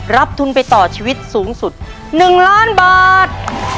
รับทุนไปต่อชีวิตสูงสุด๑ล้านบาท